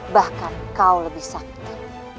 bahkan kau lebih sakti